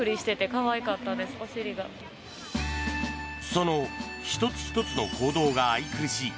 その１つ１つの行動が愛くるしい